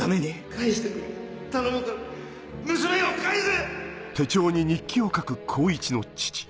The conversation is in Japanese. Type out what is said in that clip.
返してくれ頼むから娘を返せ！